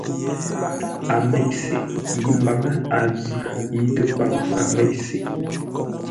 A mêʼ se; yi mbaŋə́, a zʉ̂, yi təpaŋ, a mêʼ se.